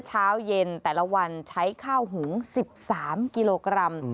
เช้าเย็นแต่ละวันใช้ข้าวหุง๑๓กิโลกรัม